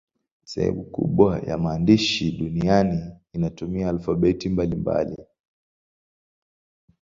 Sehemu kubwa ya maandishi duniani inatumia alfabeti mbalimbali.